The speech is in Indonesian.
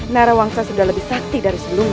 narawangsa sudah lebih sakti dari sebelumnya